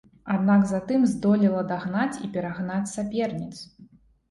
Аднак затым здолела дагнаць і перагнаць саперніц.